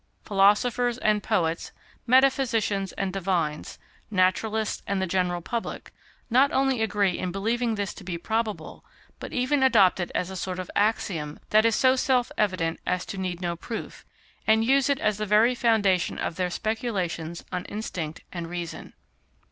Philosophers and poets, metaphysicians and divines, naturalists and the general public, not only agree in believing this to be probable, but even adopt it as a sort of axiom that is so self evident as to need no proof, and use it as the very foundation of their speculations on instinct and reason.